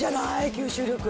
吸収力。